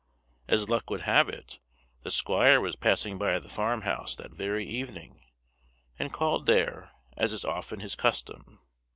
As luck would have it, the squire was passing by the farm house that very evening, and called there, as is often his custom.